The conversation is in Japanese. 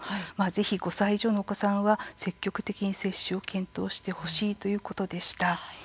ぜひ、５歳以上のお子さんは積極的に接種を検討してほしいということでした。